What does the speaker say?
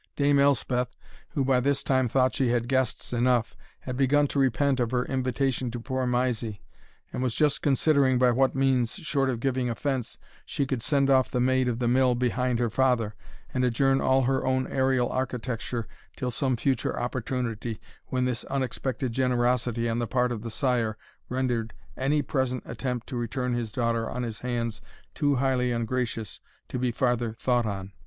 Dame Elspeth, who by this time thought she had guests enough, had begun to repent of her invitation to poor Mysie, and was just considering by what means, short of giving offence, she could send off the Maid of the Mill behind her father, and adjourn all her own aerial architecture till some future opportunity, when this unexpected generosity on the part of the sire rendered any present attempt to return his daughter on his hands too highly ungracious to be farther thought on.